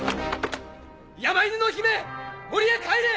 山犬の姫森へ帰れ！